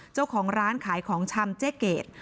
เจ้าของร้านขายของชำเจ๊เกด